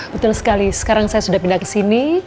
betul sekali sekarang saya sudah pindah kesini